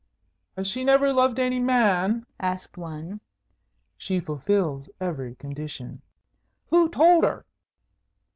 "Has she never loved any man?" asked one. "She fulfils every condition." "Who told her?"